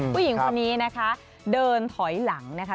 ผู้หญิงคนนี้นะคะเดินถอยหลังนะคะ